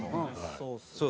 そう。